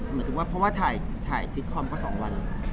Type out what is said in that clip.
หมายถึงว่าเพราะว่าถ่ายซิตคอมก็๒วัน